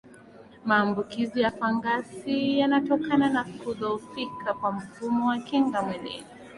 maambukizi ya fangasi yanatokana na kudhohofika kwa mfumo wa kinga mwilini